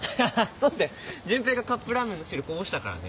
そうだよ潤平がカップラーメンの汁こぼしたからね。